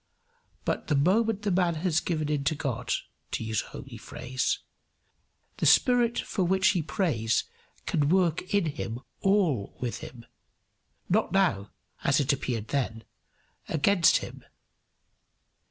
But the moment the man has given in to God to use a homely phrase the spirit for which he prays can work in him all with him, not now (as it appeared then) against him.